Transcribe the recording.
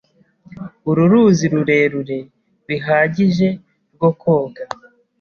Uru ruzi rurerure bihagije rwo koga.